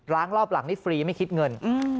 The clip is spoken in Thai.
ล้างรอบหลังได้ฟรีไม่คิดเงิน